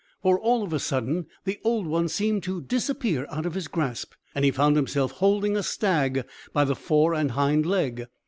For, all of a sudden, the Old One seemed to disappear out of his grasp, and he found himself holding a stag by the fore and hind leg!